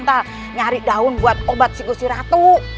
ntar nyari daun buat obat si kusir ratu